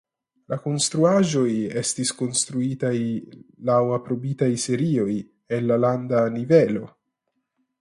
La konstruaĵoj estis konstruitaj laŭ aprobitaj serioj en la landa nivelo.